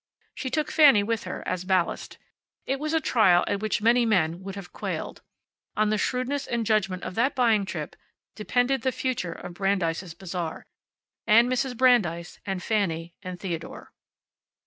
She took Fanny with her, as ballast. It was a trial at which many men would have quailed. On the shrewdness and judgment of that buying trip depended the future of Brandeis' Bazaar, and Mrs. Brandeis, and Fanny, and Theodore.